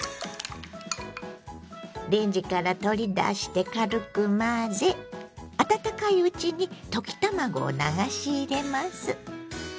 レンジから取り出して軽く混ぜ温かいうちに溶き卵を流し入れます。